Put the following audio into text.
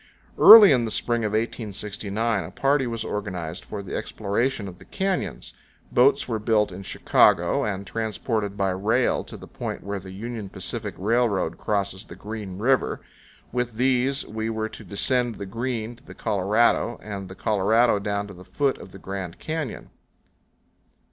Early in the spring of 1869 a party was organized for the exploration of the canyons. Boats were built in Chicago and transported by rail to the point where the Union Pacific Railroad crosses the Green River. With these we were to descend the Green to the Colorado, and the Colorado down to the foot of the Grand Canyon.